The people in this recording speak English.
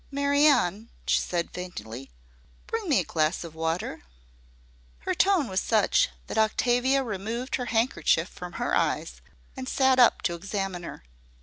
"Mary Anne," she said faintly, "bring me a glass of water." Her tone was such that Octavia removed her handkerchief from her eyes, and sat up to examine her.